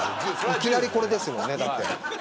いきなり、これですもんね。